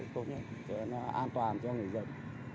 thì nó an toàn cho người dân